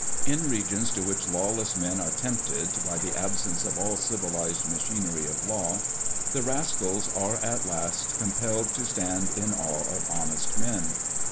In regions to which lawless men are tempted, by the absence of all civilised machinery of law, the rascals are at last compelled to stand in awe of honest men.